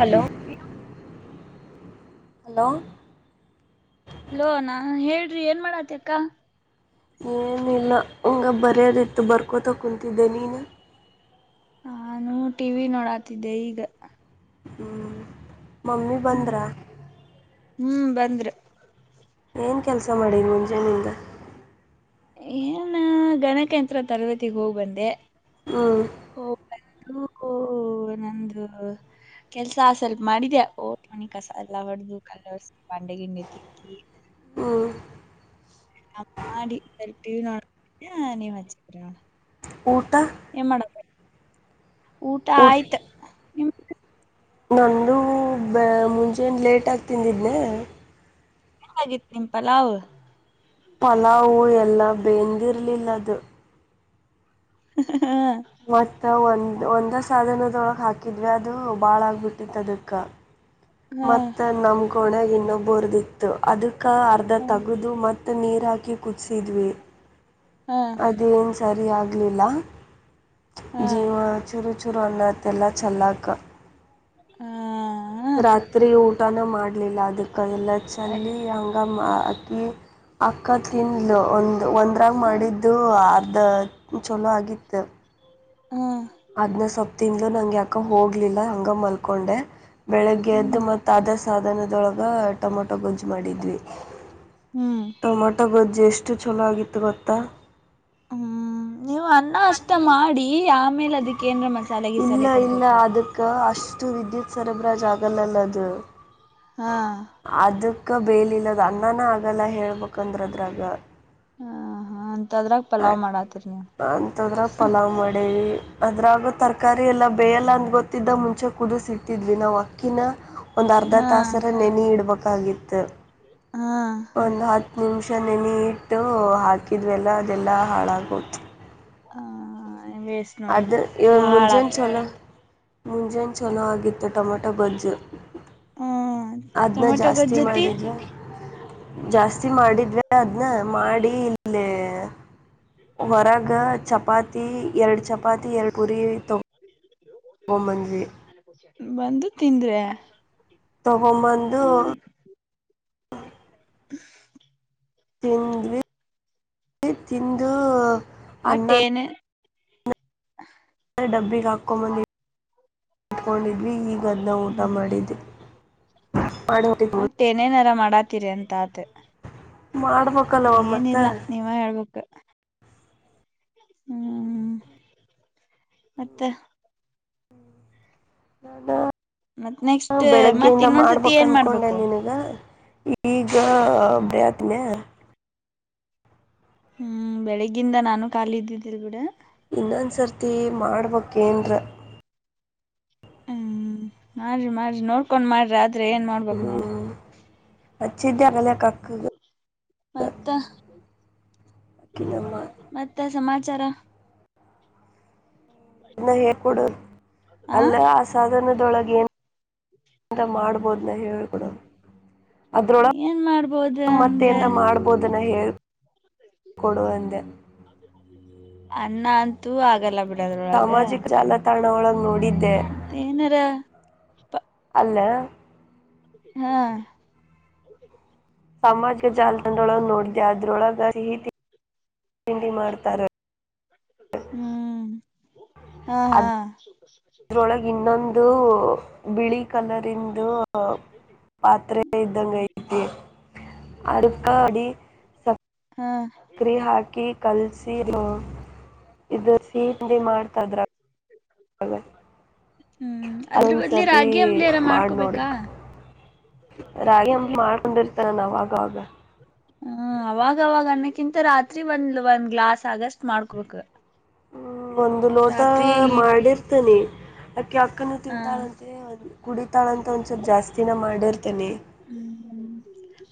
Hello [inaudible] hello ಲೋನಾ ಹೇಳ್ರಿ ಏನ್ ಮಾಡತಿ ಅಕ್ಕಾ ಏನಿಲ್ಲ ಹಂಗೆ ಬರ್ಯೋದಿತ್ತು ಬರ್ಕೋತ ಕುೂತಿದ್ದೆ ನೀನು ನಾನು ಟಿವಿ ನೋಡಾತಿದ್ದೆ ಈಗ ಹ್ಮ್ ಮಮ್ಮಿ ಬಂದ್ರ ಹ್ಮ್ ಬಂದ್ರು ಏನು ಕೆಲಸ ಮಾಡಿ ಮುಂಜಾನೆಯಿಂದ ಏನ್ ಗಣಕಯಂತ್ರ ತರಬೇತಿಗೆ ಹೋಗ್ಬಂದೆ ಹೂ.. ಹ ಬ ನಂದು [inaudible] ಕೆಲ್ಸ ಸ್ವಲ್ಪ ಮಾಡಿದೆ ಓಟ್ ಮನಿ ಕಸ ಎಲ್ಲ ಹೊಡದುು ಕಲ್ಲ ವರ್ಸಿ ಬಂಡೆ ಗಿಂಡಿ ತಿಕ್ಕಿ ಹೂ ವಿ ನೋಡ ನೀವು ಹರ ಊಟ ಏ ಮಾಡ ಊಟ ಆಯ್ತ ನಾನೂ ಬ ಮುಂಜಾನ ಲೇಟಾಗಿ ತಿಂದಿದ್ದನೆ ಗತ್ತು ನಿಂಪಲಾ ಪಲಾವು ಎಲ್ಲ ಬೆೇಂದಿರ್ಲಿಲ್ಲದು ಹಾ ಮತ್ತ ಒಂದ್ ಒಂದ ಸಾಧನದೊಳಗ್ ಹಾಕಿದ್ವಿ ಅದು ಬಾಳ ಆಗ್ಬಿಟ್ಟಿತ್ತು ಅದಕ್ಕ ಹ ಮತ್ತ ನಮ್ಗ ಒಣಗೆ ಇನ್ನೊಬ್ಬರ್ದಿತ್ತು ಅದಕ್ಕ ಅರ್ಧ ಹ ತಗದು ಮ ನೀರ ಹಾಕಿ ಕುದಿಸಿದ್ವಿ ಹ ಅ ಇದೇನು ಸರಿ ಆಗಲಿಲ್ಲ ಜೀವ ಚೂರು ಚೂರು ಅನ್ನೋತ್ತೆಲ್ಲ ಚೆಲ್ಲಾಕ ಹ ರಾತ್ರಿ ಊಟನ ಮಾಡ್ಲಿಲ್ಲ ಅದ ಅಕ್ಕ ಎಲ್ಲ ಹ ಚಲ್ಲಿ ಹಂಗ ಅಕಿ ಅಕ್ಕ ತಿಂದ್ಲು ಒಂದು ಒಂದರಾಗ ಹ ಮಾಡಿದ್ದು ಅದು ಚಲೋ ಆಗಿತ್ತು ಹ ಅದ್ನ ಸ್ವಪ್ ತಿಂದ್ಲು ನಂಗೆ ಯಾಕೋ ಹೋಗ್ಲಿಲ್ಲ ಹಂಗ ಮಲ್ಕೊಂಡೆ, ಬೆಳಗ್ಗೆ ಎದ್ದು ಹ್ಮ್ ಮತ್ತು ಅದ ಸಾಧನದೊಳಗೆ ಟೊಮೊಟೊ ಗೊಜ್ಜು ಮಾಡಿದ್ವಿ ಹ್ಮ್ ಟೊಮಾಟೊ ಗೊಜ್ಜು ಎಷ್ಟು ಚಲೋ ಆಗಿತ್ತು ಗೊತ್ತಾ ಹ್ಮ್ ನೀವು ಅನ್ನ ಅಷ್ಟ ಮಾಡಿ ಆಮೇಲೆ ಅದಕ್ಕೆ ಏನ್ರ ಮಸಾಲೆ ಇಲ್ಲ ಗಿಸಾಲೆ ಇಲ್ಲ ಕೊಡ್ಬೇಕು ಅದಕ್ಕೆ ಅಷ್ಟು ವಿದ್ಯುತ್ ಸರಬರಾಜು ಆಗಲ್ಲಲ್ಲ ಅದು ಹ... ಅದಕ್ಕ ಬೇಲಿಲ್ಲದ ಅನ್ನನ ಆಗಲ್ಲ ಹೇಳ್ಬೇಕಂದ್ರೆ ಅದ್ರಾಗ ಹ ಹ ಅಂತದ್ರಾಗ ಪಲಾವ್ ಮಾಡಾತಿರಿ ನೀವು ಅಂತದ್ರಾಗ ಪಲಾವ್ ಮಾಡಿವಿ ಅದ್ರಾಗ ತರಕಾರಿ ಎಲ್ಲ ಬೇಯಲ್ಲ ಅಂತ ಗೊತ್ತಿದ್ದ ಮುಂಚೆ ಕುದಿಸಿ ಇಟ್ಟಿದ್ವಿ ನಾವು ಅಕಿನ ಒಂದು ಅರ್ಧ ಹಾ ತಾಸರ ನೆನೆ ಇಡ್ಬೇಕಾಗಿತ್ತು ಹಾ ಒಂದು ಹತ್ತು ನಿಮಿಷ ನೆನೆ ಇಟ್ಟು ಹಾಕಿದ್ವೆಲ್ಲ ಅದೆಲ್ಲ ಹಾಳಾಗೋಯ್ತು. ಹ ಹ ವೇಸ್ಟ್ ನೋಡ್ ಅದು ಇವ ಎಲ್ಲ ಮುಂಜಾನೆ ಹಾಳಾತ್ ಚಲೋ ಮುಂಜಾನೆ ಚೆಲೋ ಆಗಿತ್ತು ಟೊಮೊಟೊ ಗೊಜ್ಜು ಹ್ಮ್ ಅದ್ನ ಟೊಮೆಟೊ ಜಾಸ್ತಿ ಗೊಜ್ಜು ಜೊತಿ ಮಾಡಿದ್ವಾ ಜಾಸ್ತಿ ಮಾಡಿದ್ವಿ ಅದ್ನ ಮಾಡಿ ಇಲ್ಲೇ ಹೊರಗ ಚಪಾತಿ ಎರಡು ಚಪಾತಿ ಎರಡು ಪುರಿ ತ ತೊಗೊಂಬಂದ್ವಿ ಬಂದು ತಿಂದ್ರೆ ತಗೊಂಡ್ ಬಂದು ಹ್ಮ್ [unintelligible] ತಿಂದ್ವಿ ತಿಂದು ವಾಟ್ ಅನ್ನ ಏನು ಡಬ್ಬಿಗೆ ಹಾಕೊಂಡಂಬಂದ ಇಟ್ಕೊಂಡಿದ್ವಿ ಈಗ ಈಗೂ ಅದನ್ನ ಊಟ ಹ್ಮ್ ಮಾಡಿದ್ದ ಮಾಡ ಒಟ್ ಏನೇನಾರ ಮಾಡಾತ್ತೀರಿ ಅಂತ ಆತ ಮಾಡಬೇಕು ಏನಿಲ್ಲ ನೀವ ಹೇಳ್ಬೇಕ ಹ್ಮ್ ಮತ್ತ ಮತ್ ನಾನ ನೆಕ್ಸ್ಟ್ ಮತ್ ಬೆಳಗ್ಗೆಯಿಂದ ಇನ್ನೊಂದ್ಸತಿ ಮಾಡ್ಬೇಕ ಏನ್ ಅನ್ಕೊಂಡೆ ಮಾಡ್ಬೇಕ ನಿನಗ ಈಗ ಬರೆಯಕ್ ಹತ್ತನೇ ಹ್ಮ್ ಬೆಳಿಗಿಂದ ನಾನು ಖಾಲಿ ಇದ್ದಿದ್ದಿಲ್ಲ ಬಿಡು ಇನ್ನೊಂದ್ ಸರ್ತಿ ಮಾಡ್ಬೇಕ್ ಏನಾರ ಹು ಮಾಡ್ರಿ ಮಾಡ್ರಿ ನೋಡ್ಕೊಂಡ್ ಮಾಡ್ರಿ ಆದ್ರೆ ಏನ್ ಮಾಡ್ಬಬೇಕ ನೋಡ ಹಚ್ಚಿದ್ಯ ಆಗಲ್ಲ ಕಕ್ಕಗ ಮತ್ತ ಕಲಮ್ಮ ಮತ್ತೆ ಸಮಾಚಾರ ಅನ್ನ ಹೇ ಕೊಡದು ಆ ಅಲ್ಲೆ ಸಾಧನದೊಳಗೆ ಏನುಂತ ಮಾಡ್ಬೋದನ್ನ ಹೇಳಿಬೀಡು ಅದ್ರೊಳ ಏನ್ ಮಾಡ್ಬೋದ ಮತ್ತೆ ಅಂದ್ರ ಎಂತ ಮಾಡ್ಬ ಓದನ್ನು ಹೇ ಕೊಡುವಂದೆ ಅನ್ನ ಆಗಲ್ಲ ಬಿಡದ್ರೊಳಗ ಸಾಮಾಜಿಕ ಜಾಲತಾಣ ಒಳಗೆ ನೋಡಿದ್ದೆ ಮತ್ತೆ ಏನರ ಅಲ್ಲ ಹಾ ಸಾಮಾಜಿಕ ಜಾಲತಾಣೊಳ ನೋಡ್ದ ಅದ್ರೊಳಗ ಸಿಹಿ ತಿಂಡಿ ಮಾಡ್ತಾರೆ ಹ್ಮ್ ಹಾ ಹಾ ಇದರೊಳಗೆ ಇನ್ನೊಂದು ಬಿಳಿ ಕಲರ್ ಇಂದು ಪಾತ್ರೆ ಇದ್ದಂಗ ಐತಿ ಅದಕ್ಕ ಅಡಿ ಹಾ ಕ್ರಿ ಹಾಕಿ ಕಲ್ಸಿ ಇ ಸ್ವೀ ಮಾಡ್ತದ್ರ ಹ್ಮ್ ಅದ್ರ ಬದ್ಲಿ ಅದೊಂದ್ಸತಿ ರಾಗಿ ಅಂಬ್ಲಿಯಾರ ಮಾಡ ನೋಡಿ ಮಾಡ್ಕೋಬೇಕಾ ರಾಗಿ ಅಂಬಲಿ ಮಾಡ್ಕೊಂಡಿರ್ತಾರ ನಾವ್ ಆವಾಗವಾಗ ಹ್ಮ ಅವಾಗವಾಗ ಅನ್ನಕ್ಕಿಂತ ರಾತ್ರಿ ಒಂದ್ ಒಂದ್ ಗ್ಲಾಸ್ ಆಗಷ್ಟ್ ಮಾಡ್ಕೊಬೇಕು ಹ್ಮ್ ಒಂದು ಲೋಟ ಹೀಟ್ ಮಾಡಿರ್ತನಿ ಆಕ್ಕಿ ಅಕ್ಕನು ಹಾ ತಿಂತಾಳಂತೆ ಕುಡಿತಾಳ ಅಂತ ಒಂದ ಚೂರ್ ಜಾಸ್ತಿನ ಮಾಡಿರ್ತನಿ ಹ್ಮ್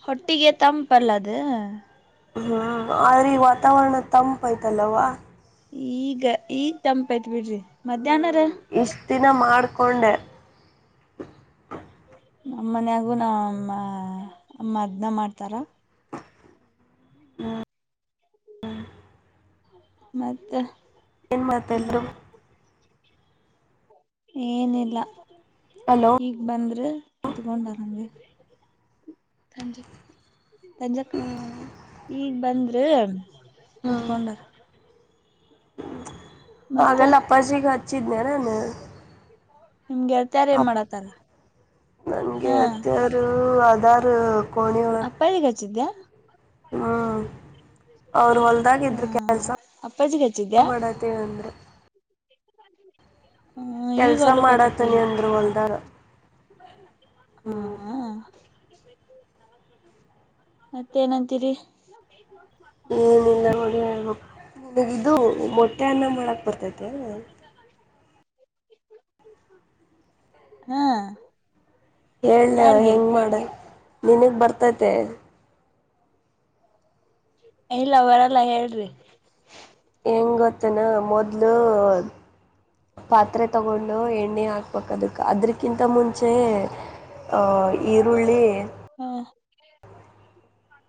ಹೊಟ್ಟಿಗೆ ತಂಪಲ್ಲದ ಹ್ಮ್ ಆದ್ರ ಈ ವಾತಾವರಣ ತಂಪ ಆಯ್ತಲ್ಲವಾ ಈಗ ಈಗ ತಂಪೈತ್ ಬಿಡ್ರಿ ಮಧ್ಯಾಹ್ನರ ಇಷ್ಟ ದಿನ ಮಾಡಕೊಂಡೆ ನಮ್ಮ ಮನ್ಯಾಗುನ ಅ ಅಮ್ಮ ಅದ್ನ ಮಾಡ್ತಾರ ಹ್ಮ್ ಹ್ಮ್ ಮತ್ತ ಏನ್ ಮಾತಲ್ರು ಏನಿಲ್ಲಾ ಹಲೋ ಈಗ ಬಂದ್ರೆ ಇದತ್ಕೊಂಡರಂಗೆ ಜ ಈಗ ಬಂದ್ರೆ ಹ್ಮ್ ಕುತ್ಕೊಂಡಾರ ಮತ್ತ ಹಾಗಲ್ಲ ಅಪ್ಪಾಜಿಗ ಹಚ್ಚಿದ್ನೆ ನಾನು ನಿಮ್ಮ ಗೆಳರ್ತಾರ ಏನ್ ಅಪ್ ಮಾಡತಾರ ಹಾ ಹುಂ ಆಧಾರ್ ಕೊನೆಯೋಳಗ ಪೈಗೆ ಹಚ್ಚಿದ್ದೆಯಾ ಹ್ಮ ಅವರು ಹೊಲ್ದಾಗ ಹಾ ಇದ್ರ ಕೆಲ್ಸ ಅಪ್ಪಾಜಿಗೆ ಹಚ್ಚಿದ್ಯಾ ಮಾಡ ತ್ತ ಅಂದರೆೆ ಹ ಈಗ ಕೆಲಸ ಹೊಲಕ್ ಹೋತ ಮಾಡತನಿ ಅಪ್ಪಾಜಿ ಅಂದ್ರ ಹೊಲ್ದಾಗ ಹಾ ಹ್ಮ್ ಹಾ ಮತ್ತೇನಂತೀರಿ ಏನಿಲ್ಲ ಹೊ ನಿನಗಿದ ಇದು ಮೊಟ್ಟೆನ್ನ ಮಾಡಕ್ ಬರ್ತೈತೆ ಹಾ ಹೇಳಲ ಯಾರಿಗೆ ಹೆಂಗ ಮಾಡ ನಿನಗ್ ಬರ್ತೈತೆ ಇಲ್ಲ ಬರಲ್ಲ ಹೇಳ್ರಿ ಹೆಂಗ ಗೊತ್ತನ ಮೊದ್ಲ ಪಾತ್ರೆ ತಗೊಂಡು ಎಣ್ಣಿ ಹಾಕ್ ಹಾಕ್ಕಬಕ್ಕ ಅದಕ್ ಅದರಕ್ಕಿಂತ ಮುಂಚೆ ಈರುಳ್ಳಿ ಹಾ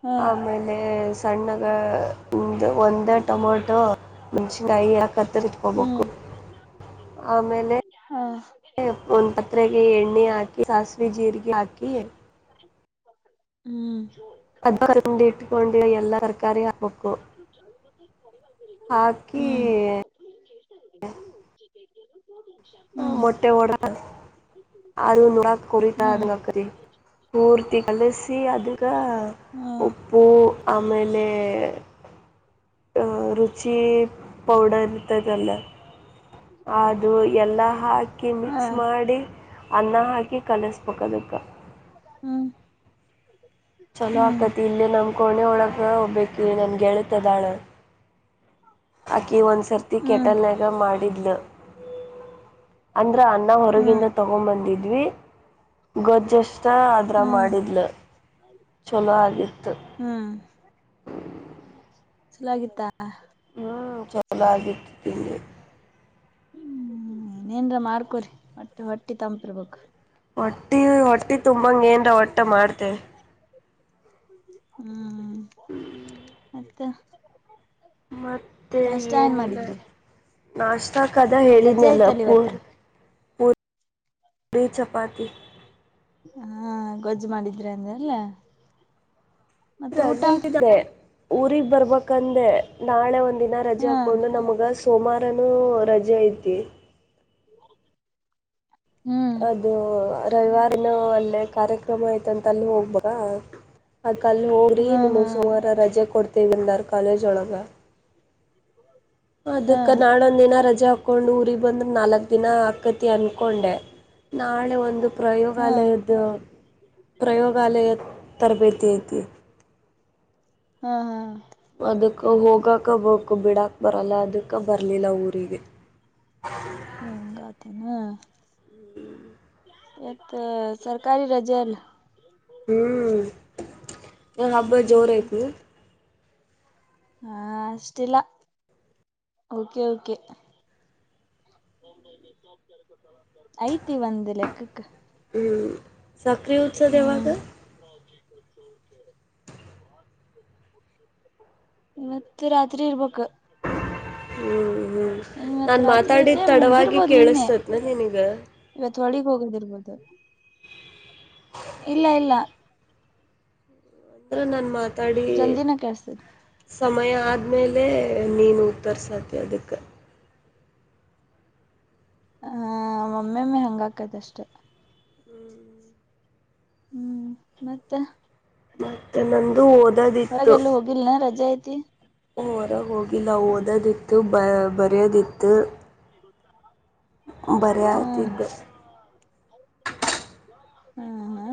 ಹಾ ಆಮೇಲ ಮೇಲೆ ಸಣ್ಣಗ ಒಂದ್ ಒಂದ್ ಟೊಮೊಟೊ ಹುಂಚಿಕಾಯಿ ಹತ್ತರಿಟ್ಕೂ ಬೂಕ್ಕು ಹ್ಮ್ ಆಮೇಲೆ ಹಾ ಒಂದ್ ಪತ್ರೆಗೆ ಎಣ್ಣೆ ಹಾಕಿ ಸಾಸಿವಿ ಜೀರಿಗಿ ಹಾಕಿ ಹ್ಮ್ ಅದ ಕಟ್ಟ ಮಾಡಿ ಇಟ್ಕೊಂಡಿರು ಎಲ್ಲಾ ತರಕಾರಿ ಹಾಕ್ಬಕು [inaudible] ಹಾಕಿ ಹ್ಮ್ ಹ್ಮ್ ಮೊಟ್ಟೆ ಹೊಡದಾಕ್ ಅದು ನೋಡಾಕ್ ಹ್ಮ್ ಕುರಿತಾದಂಗಕರಿ ಪೂರ್ತಿ ಕಲಿಸಿ ಅದಕ್ಕ ಹ್ಮ್ ಉಪ್ಪು ಆಮೇಲೆ ಅ ರುಚಿ ಪೌಡರ್ ಇರತದಲ್ಲ ಅದು ಎಲ್ಲ ಹಾಕಿ ಹಾ ಮಿಕ್ಸ್ ಮಾಡಿ ಅನ್ನ ಹಾಕಿ ಕಲಿಸ್ಬೇಕ್ ಅದಕ್ಕ ಹ್ಮ್ ಚಲೋ ಹ್ಮ್ ಆಕತಿ ಇಲ್ಲೆ ನಮ್ ಕೋಣೆ ಒಳಗ ಒಬ್ಬಕಿ ನನ್ನ ಗೆಳತಿದಾಳ ಆಕಿ ಒಂದ್ಸರ್ತಿ ಹ್ಮ್ ಕೆಟಲ್ನ್ಯಾಗ ಮಾಡಿದ್ಲ ಅಂದ್ರ ಅನ್ನ ಹೊರಗಿಂದ ಹ್ಮ್ ತಗೊಂಬಂದಿದ್ವಿ ಗೊಜ್ಜು ಜಷ್ಟ ಅದ್ರಾಗ ಹ್ಮ್ ಮಾಡಿದ್ಲ ಚಲೋ ಆಗಿತ್ತು ಹ್ಮ್ ಚಲೋ ಆಗಿತ್ತಾ ಹ್ಞ ಚಲೋ ಆಗಿತ್ತ ತಿಂದವಿ ಹ್ಮ್ ಏನ್ರ ಮಾಡ್ಕೊರಿ ಹೊಟ್ಟಿ ಹೊಟ್ಟಿ ತಂಪಿರ್ಬೇಕ್ ಹೊಟ್ಟಿ ಹೊಟ್ಟಿ ತುಂಬಂಗ ಏನ್ರ ಒಟ್ಟ ಮಾಡ್ತೇವೆ ಹ್ಮ್ ಹ್ಮ್ ಮತ್ತ ಮತ್ತೆ ನಾಷ್ಟ ಏನ್ ಏನಿಲ್ಲ ಮಾಡಿದ್ರಿ ನಾಷ್ಟಾಕದ ರಜೆ ಹೇಳಿದನಲ್ಲ ಆಯ್ತಲ್ಲ ಪೂ ಇವತ್ತ ಪೂರಿ ಪೂರಿ ಚಪಾತಿ ಹಾ ಗೊಜ್ಜ ಮಾಡಿದ್ರೆ ಅಂದ್ರಲ್ಲ ಮತ್ತ ರಜೆ ಊಟ ಐತೆ ಊರಿಗ್ ಬರಬೇಕಂದೆ ನಾಳೆ ಒಂದ ದಿನ ರಜೆ ಹಾ ಹಾಕೊಂಡು ನಮ್ಗ ಸೋಮಾರನು ರಜೆ ಐತಿ ಹ್ಮ್ ಇದು ರವಿವಾರನು ಅಲ್ಲೇ ಕಾರ್ಯಕ್ರಮ ಆಯ್ತಂತ ಅಲ್ಲಿ ಹೋಗಬೇಕ್ ಅದಕಲ್ಲ ಹೋಗ್ರಿ ಹಾ ನಿಮಗ ಹಾ ಸೋಮಾರ ರಜೆ ಕೊಡ್ತೀವಿ ಅಂದರ್ ಕಾಲೇಜ್ ಒಳಗ ಹಾ ಅದಕ್ಕ ನಾಳ ಒಂದ ದಿನ ರಜೆ ಹಾಕೊಂಡು ಊರಿಗ ಬಂದ್ರ ನಾಲ್ಕ್ ದಿನ ಆಕತಿ ಅನ್ಕೊಂಡೆ ನಾಳೆ ಒಂದು ಹಾ ಪ್ರಯೋಗಾಲಯದ್ದ ಪ್ರಯೋಗಾಲಯದ ತರಬೇತಿ ಐತಿ ಹಾ ಹಾ ಅದಕ್ಕ ಹೋಗಾಕ ಬೇಕ ಬಿಡಕ ಬರಲ್ಲ ಅದಕ್ಕ ಬರಲಿಲ್ಲ ಊರಿಗೆ ಹಂಗಾತೆನ ಇವತ್ತ ಸರ್ಕಾರಿ ರಜೆ ಅಲ್ಲ್ ಹ್ಮ್ ಹಬ್ಬ ಜೋರ ಐತಿ ಹಾ ಅಷ್ಟಿಲ್ಲ ಓಕೆ ಓಕೆ ಐತಿ ಒಂದ್ ಲೆಕ್ಕಕ್ಕ ಹ್ಮ್ ಸಕ್ರಿ ಉತ್ಸದೆವಾಗ ಹ್ಮ್ ಇವತ್ ರಾತ್ರಿ ಇರ್ಬೇಕ ಹ್ಮ್ ಹ್ಮ್ ಇನ್ ಇವತ್ ನಾನ್ ರಾತ್ರಿ ಐತೆ ಮಾತಾಡಿದ ತಡವಾಗಿ ಕೇಳಿಸತೇತ್ನ ನೀನಗ ಇವತ್ತು ಹೊಳಿಗ್ ಹೋಗೋದಿರ್ಬೋದು ಹ ಇಲ್ಲ ಇಲ್ಲ ಅಂದ್ರೆ ನಾನು ಮಾತಾಡಿ ಜಲ್ದಿನ ಕೆಡ್ಸ್ತದ ಸಮಯ ಆದಮೇಲೆ ನೀನು ತರ್ರಿಸಾತಿ ಅದಕ್ಕೆ ಹ ಮಮ್ಮಿಮ್ಮಿ ಹಂಗಾಕದ ಅಷ್ಟೇ ಹ್ಮ್ ಮತ್ತೆ ಮತ್ತೆ ನಂದು ಓದ ಹೊರಗೆ ಎಲ್ಲ ಹೋಗಿಲ್ಲನ ರಜೆ ಐತಿ ಹೊರಗೆ ಹೋಗಿ ನಾವು ಓದೋದಿತ್ತು ಬ ಬರೆಯೋದಿತ್ತು ಬರ ಹಾ ಹಾ ಹಾ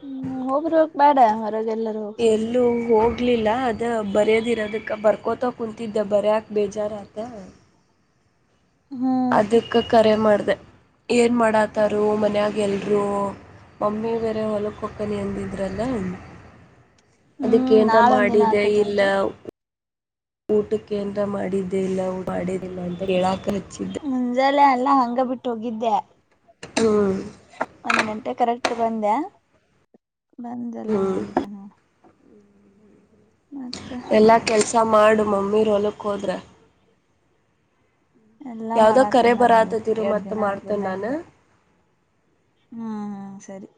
ಹ್ಮ ಹಬ್ರರಗ ಬೇಡ ಹೊರಗೆಲ್ಲ ಎಲ್ಲೂ ಹೋಗಿ ಆಗಲಿಲ್ಲ ಅದು ಬರ್ಯೋದಿರೋದಕ್ಕೆ ಬರ್ಕೋತಾ ಕುತಿದ್ದೆ ಬರಕ ಬೇಜಾರತ್ತ ಹ್ಮ್ ಅದಕ್ಕ ಕರೆ ಮಾಡ್ದ ಏನ್ ಮಾಡಾತಾರ ಮನ್ಯಾಗ ಎಲ್ರು ಮಮ್ಮಿ ಬೇರೆ ಹೊಲಕ್ ಹಕನಿ ಅಂದಿದ್ರಲ್ಲ ಹ್ಮ್ ಅದಕ್ಕೇನ್ ನಾಳೊಂದ್ ದಿನ ಮಾಡಿದೆ ಇಲ್ಲ ಆಕತ್ತಂತೆ ಊಟ ಏನ್ದ್ರ ಮಾಡಿದ್ದೇ ಇಲ್ಲ ಮಾಡಿಲ್ಲ ಅಂತ ಹೇಳಾಕ ಹಚ್ಚಿದ್ದ ಮುಂಜಾನೆ ಎಲ್ಲ ಹಂಗೆ ಬಿಟ್ಟು ಹೋಗಿದ್ದೆ ಹ್ಮ ಒಂದ್ ಗಂಟೆ ಕರೆಕ್ಟ್ ಬಂದೆ ಬಂದಲ್ಲ ಮಾಡಿದೆ ನ ಹ್ಮ್ ಮತ್ತುತ್ತ ಎಲ್ಲ ಕೆಲಸ ಮಾಡು ಮಮ್ಮಿರು ಹೊಲಕ್ಕೆ ಹೋದ್ರೆ ಎಲ್ಲಾ ಯಾವ್ದೋ ಕರೆ ಮಾಡಾತೇನ ನಾನೀಗ ಬರಾತೇತಿರು ಎರಡ್ ಮತ್ತ್ ದಿನ ಹತ್ ಬಂದ ಮಾಡ್ತೇನ್ ಹಂಗ ನಾನ. ಹ್ಮ ಸರಿ